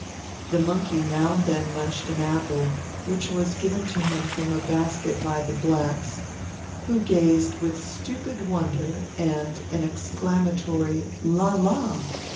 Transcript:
The monkey now and then munched an apple, which was given to him from a basket by the blacks, who gazed with stupid wonder, and an exclamatory _La! La!